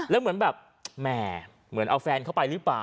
แบบแหมห์เหมือนเอาแฟนเข้าไปหรือเปล่า